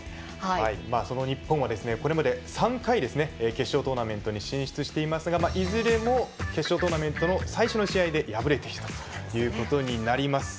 その日本は、これまで３回決勝トーナメントに進出していますがいずれも決勝トーナメントの最初の試合で敗れているということになります。